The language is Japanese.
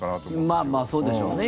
まあまあ、そうでしょうね